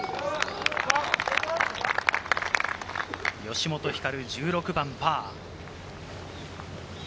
吉本ひかる、１６番パー。